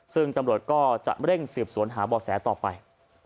ซึ่งตำรวจก็จะเร่งสืบสวนหาบ่อแสต่อไป